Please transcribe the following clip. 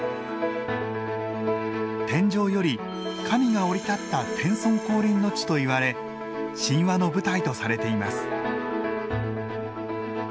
天上より神が降り立った天孫降臨の地といわれ神話の舞台とされています。